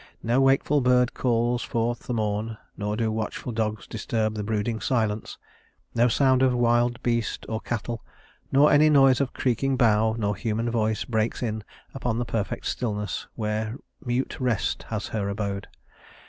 No wakeful bird calls forth the morn, nor do watchful dogs disturb the brooding silence. No sound of wild beast or cattle, nor any noise of creaking bough, nor human voice, breaks in upon the perfect stillness, where mute Rest has her abode.